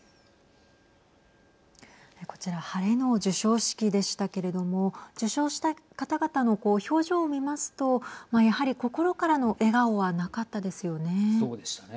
こちら晴れの授賞式でしたけれども受賞した方々の表情を見ますとやはり心からの笑顔はなかったですよね。